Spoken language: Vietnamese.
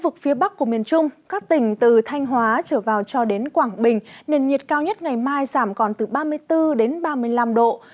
các tỉnh từ thanh hóa trở vào cho đến quảng bình nền nhiệt cao nhất ngày mai giảm còn từ ba mươi bốn đến ba mươi năm độ